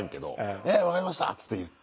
「ええ分かりました」っつって言って。